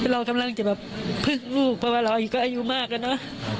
เรากำลังจะแบบพึ่งลูกเพราะว่าเราอายุก็อายุมากแล้วเนอะ